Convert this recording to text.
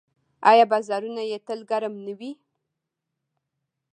آیا بازارونه یې تل ګرم نه وي؟